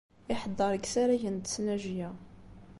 Iḥeddeṛ deg yisaragen n tesnajya.